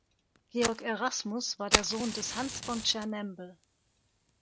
Georg Erasmus war der Sohn des Hans von Tschernembl.